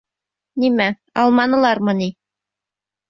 Нимә, алманылармы ни?